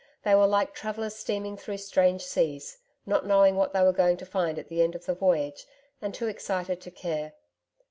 They were like travellers steaming through strange seas, not knowing what they were going to find at the end of the voyage and too excited to care.